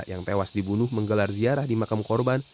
yang tewas dibunuh menggelar ziarah di makam korban